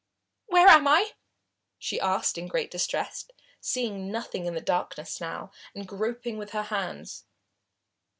"Where am I?" she asked in great distress, seeing nothing in the darkness now, and groping with her hands.